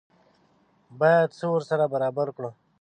باید ځان ورسره برابر کړو.